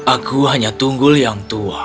aku hanya tunggul yang tua